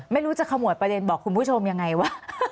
ไม่รู้จะขมวดประเด็นบอกคุณผู้ชมยังไงวะ